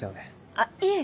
あっいえ